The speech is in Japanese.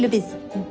うん。